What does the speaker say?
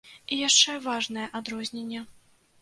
І яшчэ важнае адрозненне.